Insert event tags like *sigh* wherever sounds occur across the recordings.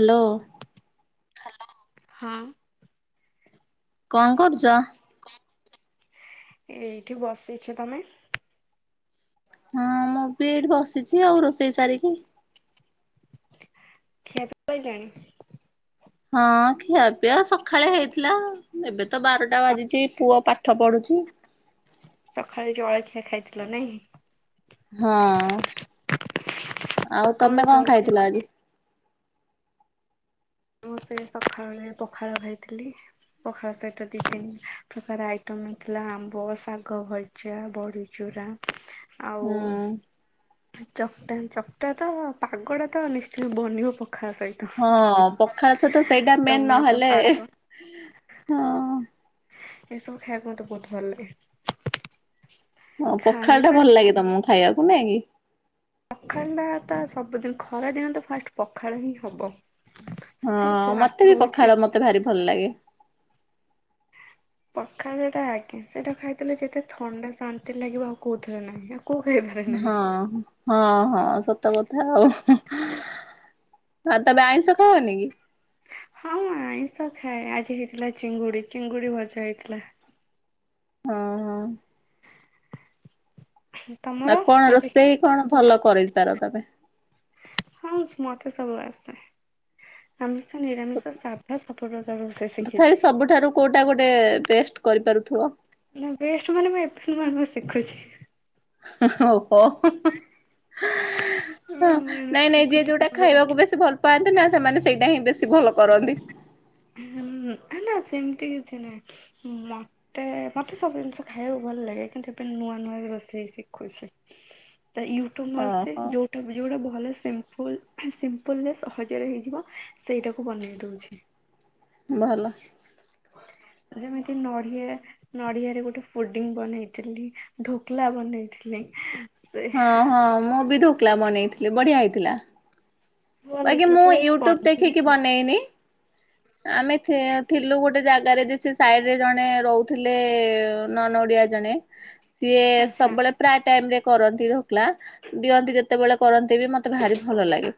Hello. ହଁ। କଣ କରୁଛ? ଏଇଠି ବସିଛି ତମେ। ହଁ ମୁଁ ବି ଏଠି ବସିଛି ଆଉ ରୋଷେଇ ସାରିକି। ଖିଆପିଆ ସଇଲାଣି। ହଁ ଖିଆପିଆ ସକାଳେ ହେଇଥିଲା ଏବେ ତ ବାରଟା ବାଜିଛି ପୁଅ ପା ପାଠ ପଢୁଛି। ସକାଳେ ଜଳଖିଆ ଖାଇଥିଲା ନାଇଁ। ହଁ ଆଉ ତମେ କଣ ଖାଇଥିଲ ଆଜି? ମୁଁ ସେ ସକାଳ ଓଳିଆ ପଖାଳ ଖାଇଥିଲି। ପଖାଳ ସହିତ ଦୁଇ ତିନି ପ୍ରକାର ଆଇଟମ୍ ହେଥିଲା ଆମ୍ବ ଶାଗ ଭ ଜା ବଡ଼ିଚୁରା ଆଉ ହୁଁ ଚକଟା ଚକଟା ତ ପାଗ ଟା ତ ନିଶ୍ଚୟ ବନିବ ପଖାଳ ସହିତ। ହଁ ପଖାଳ ସହିତ ସେଇଟା ମେନ୍ ଟମାଟୋ ନହେଲେ ପାାଗ। ଏସବୁ ଖାଇବାକୁ ମତେ ବହୁତ ଭଲ ଲାଗେ। ହଁ ପଖାଳ ଟା ଖାଇବା ଭଲ ଲାଗେ ତମକୁ ଖାଇବାକୁ ନାଇଁ କି। ପଖାଳ ତ ସବୁଦିନ ଖରା ଦିନ ତ ଫାଷ୍ଟ ପଖାଳ ହିଁ ହବ। ହଁ ସେ ଯାହା ମତେ ବି ହଉଛି ପଖାଳ ମତେ ଭାରି ଭଲ ଲାଗେ। ହ। ପଖାଳ ଟା ଆଜ୍ଞା ସେଇଟା ଖାଇଥିଲେ ଯେତେ ଥଣ୍ଡା ଶାନ୍ତି ଲାଗିବ ଆଉ କୋଉଥିରେ ନାହିଁ। କୋଉ ଖାଇବାରେ ନାହିଁ। ହଁ। ହଁ ହଁ ସତ କଥା ଆଉ ଆଉ ତବେ ଆଇଁଷ ଖଅନି କି? ହଁ ମୁଁ ଆଇଁଷ ଖାଏ ଆଜି ହେଇଥିଲା ଚିଙ୍ଗୁଡି ଚିଙ୍ଗୁଡି ଭଜା ହେଇଥିଲା। ହଁ ହଁ। ତମର ଆଉ କଣ ଆଜି ରୋଷେଇ କଣ ଭଲ କରିପାର ତମେ? ହଁ ମତେ ସବୁ ଆସେ। ଆମିଷ ନିରାମିଷ ସାଧା ସଫଳତା ର ସହ ତଥାପି ଶିଖିଛି। ସବୁଠାରୁ କୋଉଟା ଗୋଟେ ବେଷ୍ଟ କରିପାରୁଥିବ। ନା ବେଷ୍ଟ ମାନେ ମୁଁ ଏ ବେ ମାନେ ଶିଖୁଛି। ହଁ ହା ହଁ ଓହୋ ଏବେ ନୂଆ ହଁ ନୂଆ ନାଇଁ ନାଇଁ ଯିଏ ଶିଖୁଛି ତ ଯୋଉଟା ବେଷ୍ଟ ଖାଇବାକୁ ବେସି ଭଲ ପାଆନ୍ତି ନା ସେମାନେ ସେଇଟା ହିଁ ବେଶୀ ଭଲ କରନ୍ତି। ହୁଁ ହେଲା ସେମିତି କିଛି ନାହିଁ ମ ତେ ମତେ ସବୁ ଜିନିଷ ଖାଇବାକୁ ଭଲ ଲାଗେ କିନ୍ତୁ ଏପ ନୂଆ ନୂଆ ରୋଷେଇ ଶିଖୁଛି। ତ ୟୁଟ୍ୟୁବୁ ମାରୁଚି ଓହୋ। ଯୋଉ ଟା ଭିଡ଼ିଓ ଡା ଭଲ ସିମ୍ପଲ୍ ସିମ୍ପଲରେ ସହଜରେ ହେଇଯିବ ସେଇଟାକୁ ବନେଇ ଦୋଉଛି। ଭଲ ହେଲା। ଯେମିତି ନଢ଼ିଆ ନଡିଆରେ ଗୋଟେ ଫୁଡିଙ୍ଗ ବନେଇଥିଲି ଢୋକଲା ବନେଇଥିଲି। ସେ ହଁ ହଁ ମୁଁ ବି ଢୋକଲା ବନେଇଥିଲି ବଢିଆ ହେଇଥିଲା। ଭଲ ବାକି ହେଇଥିଲା ମୁଁ ପୁରା ୟୁଟ୍ୟୁବ ସ୍ପଞ୍ଜି ଦେଖିକି ହେଇଥିଲା ବନେଇନି। ଆମେ ଥି ଥିଲୁ ଗୋଟେ ଜାଗାରେ ଯେ ସେ ସାଇଡ଼ରେ ଜଣେ ରହୁଥିଲେ ନନ ଓଡ଼ିଆ ଜଣେ। ସିଏ ଆଚ୍ଛା ସବୁବେଳେ ପ୍ରା ଟାଇମରେ କରନ୍ତି ଢ଼ୋକଲା ଦିଅନ୍ତି ଯେତେବେଳେ କରନ୍ତି ବି ମତେ ଭାରି ଭଲ ଲାଗେ।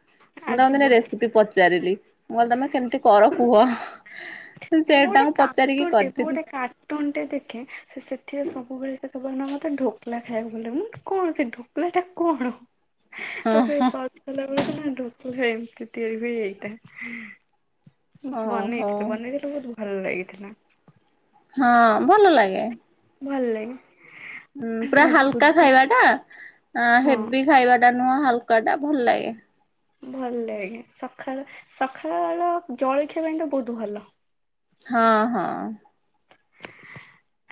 ମୁଁ ଆଜି ତାଙ୍କୁ ଦିନ ବୁଧ ରେସିପି ପଚାରିଲି। ମୁଁ କହିଲି ତମେ କେମିତି କର କୁହ ସେଇଟା ତାଙ୍କୁ ପଚାରିକି କରିଥିଲି। ଟୋନ ଟା ଦେଖେ ସେ ସେଥିରେ ସବୁବେଳେ ସେ କହିବେନା ମତେ ଢୋକଲା ଖାଇବାକୁ ଭଲ ଲାଗେ ମୁଁ କହିଲି କଣ ସେ ଢ଼ୋ ମାନେ ଏଟା କଣ? ହଁ ତାପରେ ହଁ ସର୍ଚ୍ଚ କଲାବେଳକୁ *unintelligible* ହେ ଏମିତି ତିଆରି ହୁଏ ଏଇଟା। ଓହୋ ବନେଇଥିଲି ବନେଇଥିଲି ବୋହୁତ ଭଲ ଲାଗିଥିଲା। ହଁ ଭଲ ଲାଗେ। ଭଲ ଲାଗେ। ହଁ ପୁରା ଆଜି ହାଲକା ଖାଇବା ବୁଧବାର ଟା ହଁ ହେଭି ଖାଇବା ଟା ନୁହଁ ହାଲକା ଟା ଭଲ ଲାଗେ। ଭଲ ଲାଗେ ସଖାଳେ ସଖାଳ ର ଜଳଖିଆ ପାଇଁ ତ ବୋ ହୁତ ଭଲ। ହଁ ହଁ।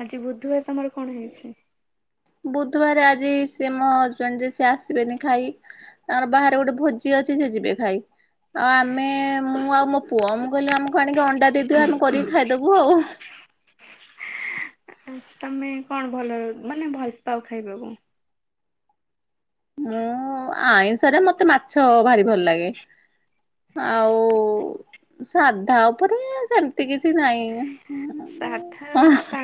ଆଜି ବୁଧୁବାର ତମର କଣ ହେଇଚି? ବୁଧବାର ଆଜି ସିଏ ମୋ ହଜବେଣ୍ଡ ଯେ ସିଏ ଆସିବେନି ଖାଇ। ତାଙ୍କର ବାହାରେ ଗୋଟେ ଭୋଜି ଅଛି ସେ ଯିବେ ଖାଇ। ଆଉ ଆମେ ମୁଁ ଆଉ ମୋ ପୁଅ ମୁଁ କହିଲି ଆମକୁ ଆଣିକି ଅଣ୍ଡା ଦେଇଦିଅ ଆମେ କରିକି ଖାଇଦୋବୁ ଆଉ। ତମେ କଣ ଭଲ ମାନେ ଭଲ ପାଅ ଖାଇବାକୁ? ମୁଁ ଆଇଁଷ ସରେ ମତେ ମାଛ ଭାରି ଭଲ ଲାଗେ ଆଉ ସାଧା ଉପରେ ସେମିତି କିଛି ନାହିଁ। ସାଧ ଆଉ ହଁ ମୁଁ ସା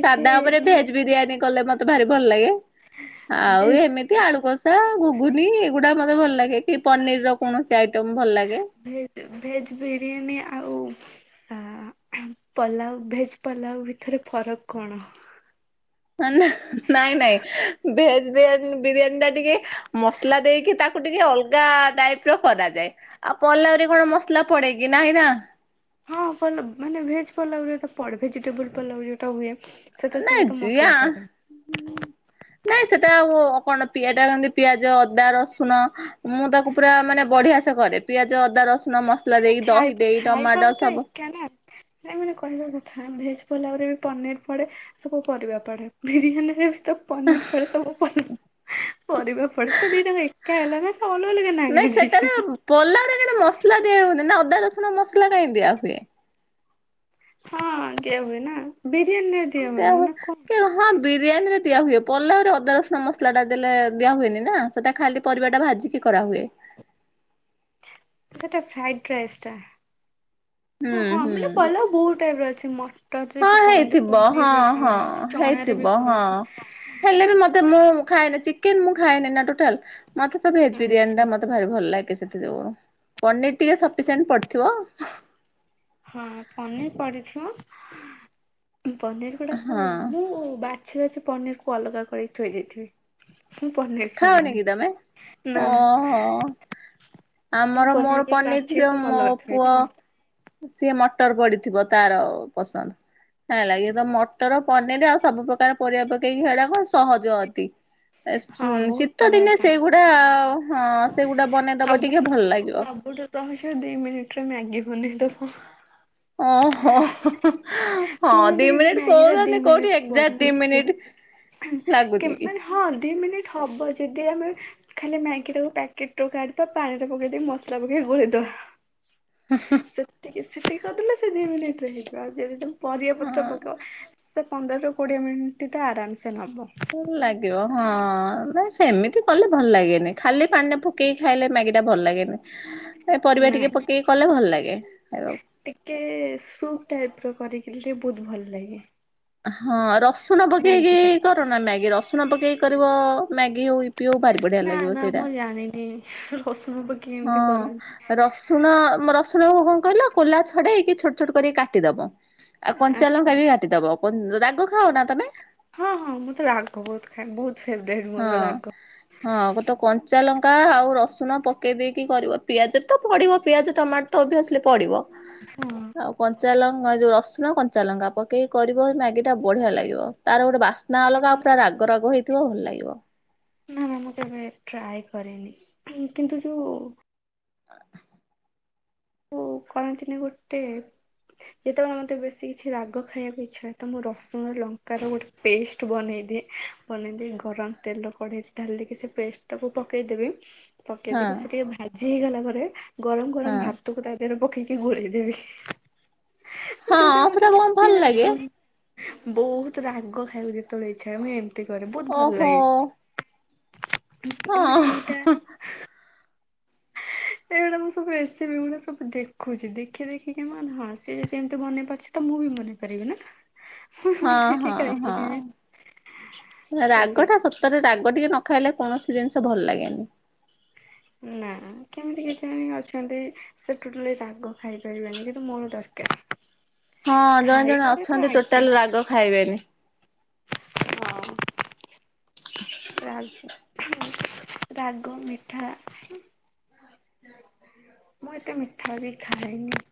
ସାଧା ଉପରେ ଭେଜ୍ ବିରିୟାନୀ କଲେ ମତେ ଭାରି ଭଲ ଲାଗେ ଆଉ ଭେଜ ଏମିତି ଏମିତି ଆଳୁ କଷା ଗୁଗୁନି ଏଗୁଡା ମୋତେ ଭଲ ଲାଗେ କି ପନିର ର କୌଣସି ଆଇଟମ୍ ଭଲ ଲାଗେ। ଭେଜ୍ ଭେଜ୍ ବିରିୟାନୀ ଆଉ ପଲାଉ ଭେଜ୍ ପଲାଉ ଭିତରେ ଫରକ କଣ? ନାଇଁ ନାଇଁ ଭେଜ ବିରିୟାନୀ ଟା ଟିକେ ମ ମସଲା ଦେଇକି ତାକୁ ଟିକେ ଅଲଗା ଟାଇପ୍ ର କରାଯାଏ। ଆଉ ପଲାଉରେ କଣ ମସଲା ପଡେ କିି ନାଇଁ ନା। ହଁ ପଲ ମାନେ ଭେଜ ପଲୋଉ ରେ ତ ପଡ଼େ ଭେଜିଟେବଲ ପଲୋଉ ଯୋଉଟା ହୁଏ। ସେଥିରେ ନାଇଁ ସବୁ ତ ଜିଆ ମସଲା ପଡ଼େ। ନାଇଁ ସେଟା ଆଉ ଆପଣ ଏଟା ଯେମିତି ପିଆଜ ଅଦା ରସୁଣ। ମୁଁ ତାକୁ ପୁରା ମାନେ ବଢିଆ ସେ କରେ ପିଆଜ ଅଦା ରସୁଣ ମସ୍ ମସଲା ମାନେ ଦେଇ ଦହି ଖାଇବା ଦେଇ ଟମାଟୋ ଖାଇବାକୁ ସବୁ *unintelligible* ନାଇଁ ମାନେ କହିବା କଥା ଭେଜ୍ ପଲାଉ ରେ ବି ପନିର ପଡ଼େ। ସବୁ ପରିବା ପଡେ ବିରିୟାନୀ ରେ ବି ତ ପନିର ପଡେ ସବୁ। *unintelligible* ପରିବା ପଡେ ତ ଦିଟାଙ୍କ ଏକା ହେଲା ନା ସେ ଅଲଗା ଅଲଗା ନାଁ କାଇଁ ଦେଇଛନ୍ତି। ପଲାଉ ରେ *unintelligible* ମସଲା ଦିଆ ହୁଏନି ନା ଅଦା ରସୁଣ ମସଲା କାଇଁ ଦିଆ ହୁଏ? ହଁ ଦିଆ ହୁଏ ନା। ବିରିୟାନୀ ରେ କେଲା *unintelligible* ହଁ ବିରିୟାନୀ ରେ ଦିଆ ହୁଏ ପଲାଉରେ ଅଦା ରସୁଣ ମସଲା ଟା ଦେଲେ ଦିଆ ହୁଏନି ନା ସେଟା ଖାଲି ପରିବା ଟା ଭାଜିକି କରାହୁଏ। ସେଟା ଫ୍ରାଇଡ୍ ରାଇସ୍ ଟା। ହୁଁ ହଁ ହୁଁ ମାନେ ପଲୋଉ ବୋହୁତ ଟାଇପ ର ଅଛି ମ *unintelligible* ବି ହଁ କରନ୍ତି ହେଇଥିବ ହଁ ପନିର ବି ହଁ କରନ୍ତି ଚଣାରେ ହେଇଥିବ ବି ହଁ। କରନ୍ତି। *unintelligible* ମୁଁ ଖାଏନା ଚିକେନ୍ ମୁଁ ଖାଏନି ନା ଟୋଟାଲ ମତେ ତ ଭେଜ ବିରିୟାନୀ ଆଚ୍ଛା ଟା ମତେ ମତେ ଭାରି ଭଲ ଲାଗେ ସେଥି ଯୋଗୁ ପନିର ଟିକେ ସଫିସିଏଣ୍ଟ ପଡିଥିବ। ହଁ ପନିର ପଡ଼ିଥିବ ପନିର ଗୁଡ଼ାକୁ ହଁ ମୁଁ ବା ଛି ବାଛି ପନିରକୁୁ ଅଲଗା କରିିକି ଥୋଇ ଦେଇଥିବି। ମୁଁ ପନିର ଖାଅ ନି ଖାଏନି କିି ତମେ ନା ଅହ। ମୁଁ ଆମର ମୋର ଗୁଡା ପନିର ବାଛି ପ୍ରିୟ ସବୁ ମୋ ଅଲଗା ପୁଅ ଥୋଇଥିବ। ସିଏ ମଟର ପଡିଥିବ ତାର ପସନ୍ଦ ହେଇ ଲାଗି ତ ମଟର ପନିର ଆଉ ସବୁ ପ୍ରକାର ପରିବା ପକେଇକି ହେଟା କଣ ସହଜ ଅତି। ଉଁ ହଁ ବହୁତ ଶୀତ ଦିନେ ସହଜ ସେଗୁଡା ହଁ ସେଗୁଡା ବନେଇଦବ ଟିକେ ଭଲ ଲାଗିବ। ତମେ ଯଉ ଦୁଇ ମିନିଟ୍ ରେ ମ୍ୟାଗି ବନେଇଦବ। ଓ ହୋ। ହଁ କୁହନ୍ତି ଦି କି ମିନିଟ୍ ମ୍ୟାଗି ଟା ଦି କହୁଚନ୍ତି କୋଉଠି ମିନିଟରେ ଏଜାକ୍ଟ ଦି ବଢିଯାଏ। ମିନିଟ୍ କେବେ ହଁ ଦି ମିନିଟ ହେବ ଯଦି ଆମେ ଖାଲି ମ୍ୟାଗି ଟାକୁ ପ୍ୟାକେଟ୍ ରୁ କାଢିବା ପାଣିରେ ପକେଇ ଦେଇ ମସଲା ପକେଇ ଗୋଲେଇଦବା। *unintelligible* ସେତିକି ସେତିକି କରଦେଲେ ସେ ଦି ମିନିଟ୍ ରେ ହେଇଯିବ ଆଉ ଯଦି ତମେ ପରିବା ପତ୍ର ହଁ। ପକେଇବ ସେ ପନ୍ଦରରୁ କୋଡ଼ିଏ ମିନିଟ୍ ତ ଆରାମସେ ନବ। ଭଲ ଲାଗିବ ହଁ ନାଇଁ ସେମିତି କଲେ ଭଲ ଲାଗେନି ଖାଲି ପାଣିରେ ପ ପକେଇକି ଖାଇଲେ ମ୍ୟାଗି ଟା ଭଲ ଲାଗେନି ଏ ପରିବା ନାଇଁ ଟିକେ ପକେଇକି କଲେ ଭଲ ଲାଗେ ଖାଇବାକୁ। ଟିକେ ସୁପ୍ ଟାଇପ୍ ର କରିଲେ ଟିକେ ବହୁତ ଭଲ ଲାଗେ। ହଁ ରସୁଣ ପକେଇକି ମ୍ୟାଗି ଟା କରନା ମ୍ୟାଗି ରସୁଣ ପକେଇକି କରିବ ମ୍ୟାଗି ହଉ ପିଓ ବାରି ପଡ଼ ନା ନା ମୁଁ ଜାଣିନି ରସୁଣ ପକେଇ ଏମିତି ହଁ କରନ୍ତି। ରସୁଣ ମ ରସୁଣ କୁ କଣ କହିଲ କୋଲା ଛଡେଇଇକି ଛୋଟ ଛୋଟ କରିକି କାଟିଦବ। ଆଉ କଞ୍ଚା ଆଚ୍ଛା ଲଙ୍କା ବି କାଟିଦବ କଁ ରାଗ ଖାଅ ନା ତମେ? ହଁ ହଁ ମୁଁ ତ ରାଗ ବହୁତ ଖାଏ ବହୁତ। ଫେବରାଇଟ ମୋର ହଁ। ରାଗ ହଁ ଗତ କଞ୍ଚା ଲଙ୍କା ଆଉ ରସୁଣ ପକେଇ ଦେଇେଇକି କରିବ ପିଆଜ ତ ପଡିବ ପିଆଜ ଟମାଟ ତ ଅବିଅସିଲି ପଢିବ ହଁ। ଆଉ କଁ କଞ୍ଚା ଲଙ୍କା ଯୋଉ ରସୁଣ କଞ୍ଚାଲଙ୍କା ପକେଇି କରିବ ମ୍ୟାଗିଟା ବଢିଆ ଲାଗିବ ତାର ଗୋଟେ ବା ସ୍ନା ଅଲଗା ପୁରା ରାଗ ରାଗ ହେଇଥିବ ଭଲ ଲାଗିବ। ନା ମୁଁ କେବେ ଟ୍ରାଏ କରେନି କିନ୍ତୁ ଯୋଉ *inaudible* ଓ କହଥିନି ଗୋଟେ ଯେତେବେଳେ ମତେ ବେଶୀ କିଛି ରାଗ ଖାଇବାକୁ ଇଚ୍ଛା ତ ମୁ ରସୁଣ ଲଙ୍କାର ଗୋଟେ ପେଷ୍ଟ ବନେଇଦିଏ ବନେଇଦେଇକି ଗରମ ତେଲ ର କଢେଇ ଢାଲିିକି ସେ ପେଷ୍ଟ ଟାକୁ ପକେଇଦେବି। ପକେଇ ହଁ ଦେଇକି ସେ ଟିକେ ଭାଜି ହେଇଗଲା ପରେ ଗରମ ହଁ। ଗରମ ଭାତ ତ କୁ ତା ଦେହ ରେ ପକେଇକି ଗୋଳି ଦେବି। ହଁ ଯୋଉ ଦ୍ୱାରା ମତେ ସେଟା କଣ ଭଲ କେତେ ଲାଗେ ଲାଗୁନି ବହୁତ ରାଗ ଖାଇବାକୁ ଯେତେବେଳେ ଇଚ୍ଛା ମୁଁ ଏମିତି କରେ ବହୁତ ଭଲ ଓହୋ ଲାଗେ। ମାନେ ଏଇଟା ହଁ। ଏଇଗୁଡା ମୁଁ ସବୁ ରେସିପି ଗୁଟା ସବୁ ଦେଖୁଚି ଦେଖି ଦେଖିକି ମୁଁ କହିନି ହଁ ସେ ଯଦି ଏମିତି ମନେଇ ପାରୁଚି ତ ମୁଁ ବି ବନେଇପାରିବି ନା। ମୁଁ ହଁ ବନେଇକି ହଁ ହଁ ଖାଇପାରିବି ତ ରାଗଟା ସେଇଥିପାଇଁ ସବ ତାପରେ ରାଗ ଟିକେ ନ ଖାଇଲେ କୌଣସି ଜିନିଷ ଭଲ ଲାଗେନି। ନା କେମିତି କେଜାଣି ଅଛନ୍ତି ସେ ଟୋଟାଲି ରାଗ ଖାଇପାରିବେନି କିନ୍ତୁ ମୋର ଦରକାର। ହଁ ଜଣେ ଜଣେ ଖାଇବାରେ ତ ଅଛନ୍ତି ଆଗେ ଟୋଟାଲ ରାଗ ଖାଇବେନି। ହଁ ଜା ହେଲେ ରାଗ, ମିଠା। ମୁଁ ଏତେ ମିଠା ବି ଖାଏନି।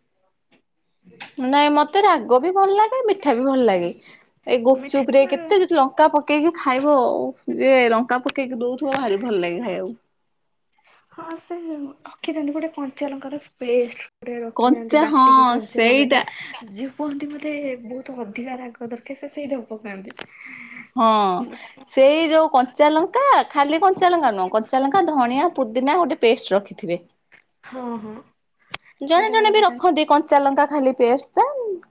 *inaudible* ନାଇଁ ମତେ ରାଗ ବି ଭଲ ଲାଗେ, ମିଠା ବି ଭଲ ଲାଗେ। ଏଇ ମିଠା ଗୁପଚୁପ୍ ରେ କେ ତେ ଯଦି ଲଙ୍କା ପକେଇକି ଖାଇବ ଓଃ ଯେ ଲଙ୍କା ପକେଇକି ଦଉଥିବ ଭାରି ଭଲ ଲାଗେ ଖାଇବାକୁ। ହଁ, ସେ ରଖିଥାନ୍ତି ଗୋଟେ କଞ୍ଚାଲଙ୍କାର ପେଷ୍ଟ। ଗୋଟେ ରଖିଥାନ୍ତି କଞ୍ଚା ହଁ ବାଟିକି କଞ୍ଚା ସେଇଟା ଲଗାଟା କୁହନ୍ତି ମୋତେ ବହୁତ ଅଧିକା ରାଗ ଦରକାର ସେ ସେଇଟାକୁ ପକାନ୍ତି। ହଁ। ସେଇ ଯୋଉ କଞ୍ଚା ଲଙ୍କା, ଖାଲି କଞ୍ଚାଲଙ୍କା ନୁହେଁ କଞ୍ଚାଲଙ୍କା, ଧଣିଆ, ପୁଦିନା ଗୋଟେ ପେଷ୍ଟ ରଖିଥିବେ। ହଁ ହଁ। ଜଣେ ସେଇଟାକୁ ଜଣେ ବି ରଖିଥାନ୍ତି ରଖନ୍ତି। କଞ୍ଚାଲଙ୍କା ଖାଲି ପେଷ୍ଟଟା,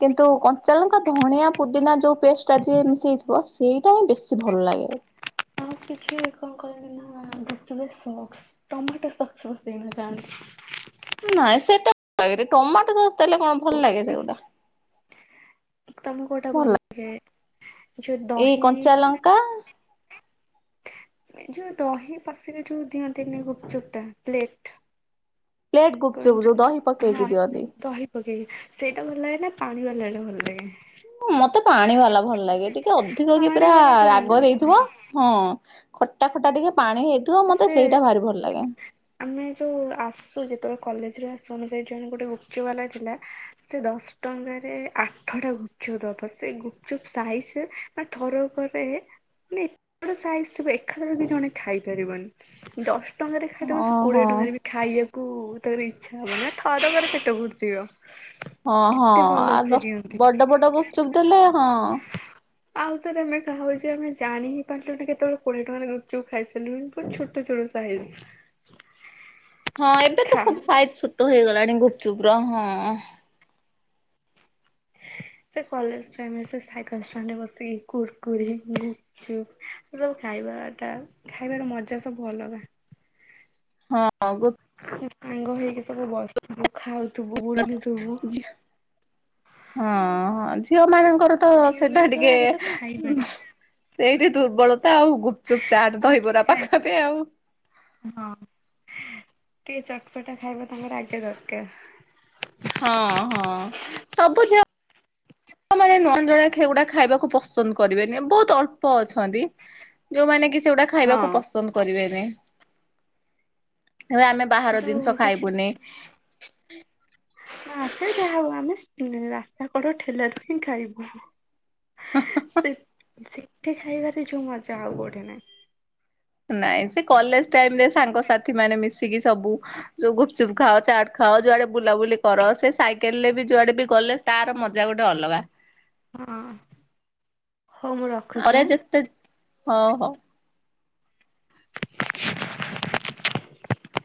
କିନ୍ତୁ କଞ୍ଚାଲଙ୍କା, ଧଣିଆ, ପୁଦିନା ଯୋଉ ପେଷ୍ଟଟା ଯିଏ ମିଶେଇଥିବ ସେଇଟା ହିଁ ବେଶୀ ଭଲ ଲାଗେ। ଆଉ କିଛି କଣ କହିବେ ନା ଗୁପଚୁପ୍ ରେ ସକ୍ସ। ଟମାଟ ସକ୍ସ ପକେଇକିନା ଖାଆନ୍ତି। ନାଇଁ ସେଟା ଭଲ ଲାଗେନି, ଟମାଟୋ ସସ୍ ଦେଲେ କଣ ଭଲ ଲାଗେ ସେଇଗୋଟା। ତମକୁ କୋଉଟା ଭଲ ଲାଗେ, ଯୋଉ ଲାଗେ। ଏଇ ଦହି କଞ୍ଚା ଲଙ୍କା ଯୋଉ ଦହି ପାଶିରେ ଯୋଉ ଦିଅନ୍ତିିନି ଗୁପଚୁପ୍ ଟା ପ୍ଲେଟ ପ୍ଲେଟ ଗୁପଚୁପ କଣ, ଯୋଉ ଦହି ପକେଇକି ହଁ ଦିଅନ୍ତି। ଦହି ପକେଇକି, ସେଇଟା ଭଲ ଲାଗେ ନା ପାଣି ବାଲା ଟା ଭଲ ଲାଗେ। ମତେ ପାଣି ବାଲା ଭଲ ଲାଗେ, ଟିକେ ଅଧିକ କି ପାଣି ପୁରା ବାଲାଟା ଭଲ ରାଗ ଲାଗେ ଦେଇଥିବ। ହଁ, ଖଟା ଖଟା ଟିକେ ପାଣି ହେଇଥିବ ମତେ ସେ ସେଇଟା ଭାରି ଭଲ ଲାଗେ। ଆମେ ଯୋଉ ଆସୁ ଯେତେବେଳେ କଲେଜରୁ ଆସୁ ଆମର ସେଇଠି ଜଣେ ଗୋଟେ ଗୁପଚୁପ୍ ବାଲା ଥିଲା। ସେ ଦଶ ଟଙ୍କାରେ ଆଠଟା ଗୁପଚୁପ୍ ଦବ। ସେ ଗୁପଚୁପ୍ ସାଇଜ ମାନେ ଥରକରେ ମାନେ ଏତେ ବଡ ସାଇଜ୍ ଥିବ ଏକାଥରକେ ଜଣେ ଖାଇ ପାରିବନି। ଦଶ ଟଙ୍କାରେ ଖାଇଦବ ସେ ଓହୋ କୋଡିଏ ଟଙ୍କାରେ ବି ଖାଇବାକୁ ତାର ଇଚ୍ଛା ହବନି, ନା ଥରକରେ ପେଟ ପୁରିଯିବ। ହଁ ହଁ ଏତେ ଭଲ ଆଉ ସେ ଦଶ୍ ଦିଅନ୍ତି। ବଡ ବଡ ଗୁପଚୁପ୍ ଦେଲେ ହଁ। ଆଉ ଥରେ ଆମେ ଖାଉଛେ ଆମେ ଜାଣି ହିଁ ପାରିଲୁନି କେତେବେଳେ କୋଡିଏ ଟଙ୍କାରେ ଗୁପଚୁପ୍ ଖାଇସ ପୁରା ଛୋଟ ଛୋଟ ସାାଇଜ୍। ହଁ, ଏବେ ତ ସବୁ ସାଇଜ୍ ଛୋଟ ହେଇଗଲାଣି ଗୁପଚୁପ୍ ର ହଁ। ସେ କଲେଜ ଟାଇମ୍ ରେ ସେ ସାଇକେଲ୍ ଷ୍ଟାଣ୍ଡ ରେ ବସିକି କୁର୍କୁରେ, ଲେ ସେ ସବୁ ଖାଇବା ଟା, ଖାଇବାର ମଜା ସବୁ ଅଲଗା। ହଁ ହଁ, ଗୁପ୍ ସାଙ୍ଗ ହେଇକି ସବୁ ବସିଥିବୁ, ଖାଉଥିବୁ, ବୁଲୁଥିବୁ। ହଁ, ଝିଅ ମାନଙ୍କର ତ ଝିଅ ସେଟା ପିଲାଙ୍କର ଟିକେ ଆଗେ ତ ଖାଇବାଟା ସେଇଠି ଦୁର୍ବଳତା ଆଉ। ଗୁପଚୁପ୍, ଚାଟ, ଆଗେ ଦହିବରା ଖାଇବା ପାଖରେ ଆଉ। ହଁ, ଟିକେ ଚଟପଟା ଖାଇବା ତାଙ୍କର ଆଗେ ଦରକାର। ହଁ ହଁ, ସବୁ ଝିଅ ମାନେ ନୁହଁ, ଜଣେ ହେଇଗୁଡ଼ା ଖାଇବାକୁ ପସନ୍ଦ କରିବେନି, ବହୁତ ଅଳ୍ପ ଅଛନ୍ତି। ଯୋଉମାନେ କି ସେଇଗୁଡା ଖାଇବାକୁ ହଁ ପସନ୍ଦ କରିବେନି। ଆମେ ବାହାର କିନ୍ତୁ ଜିନିଷ କିଛି ଖାଇବୁନି। ଅଛି ସେ ଯାହା ହଉ ଆମେ ରାସ୍ତା କଡ ଠେଲାଠୁ ହିଁ ଖାଇବୁ। ସେ ସେଠି ଖାଇବାରେ ଯୋଉ ମଜା ଆଉ କୋଉଠି ନାହିଁ। ନାଇଁ ସେ କଲେଜ ଟାଇମ ରେ ସାଙ୍ଗ ସାଥି ମାନେ ମିଶିକି ସବୁ ଯୋଉ ଗୁପଚୁପ ଖାଅ ଚାଟ ଖାଅ ଯୁଆଡେ ବୁଲାବୁଲି କର ସେ ସାଇକେଲ ରେ ବି ଯୁଆଡେ ବି ଗଲେ ତାର ମଜା ଗୋଟେ ଅଲଗା। ହଁ ହୋଉ ମୁଁ ର ଘରେ ଯେତେ ହଉ ହଉ। *inaudible*